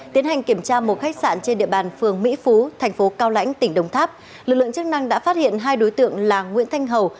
tiến hành kiểm tra một khách sạn trên địa bàn phường mỹ phú thành phố cao lãnh tỉnh đồng tháp lực lượng chức năng đã phát hiện hai đối tượng là nguyễn thanh hầu